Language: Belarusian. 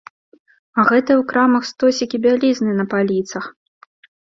А гэтыя ў крамах стосікі бялізны на паліцах!